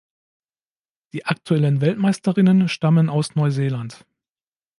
Die aktuellen Weltmeisterinnen stammen aus Neuseeland.